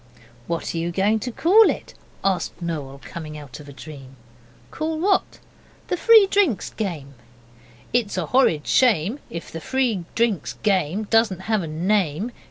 'What are you going to call it?' asked Noel, coming out of a dream. 'Call what?' 'The Free Drinks game.' 'It's a horrid shame If the Free Drinks game Doesn't have a name.